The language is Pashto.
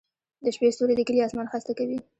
د شپې ستوري د کلي اسمان ښايسته کوي.